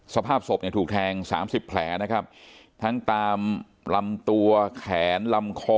สภาพศพเนี่ยถูกแทงสามสิบแผลนะครับทั้งตามลำตัวแขนลำคอ